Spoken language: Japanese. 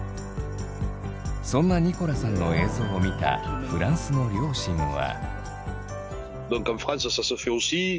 そんなニコラさんの映像を見たフランスの両親は。